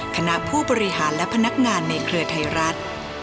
คณะผู้บริหารและพนักงานในเครือไทยรัฐ